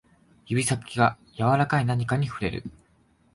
指先が柔らかい何かに触れる